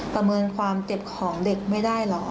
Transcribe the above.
ประเมินความเก็บของเด็กไม่ได้เหรอ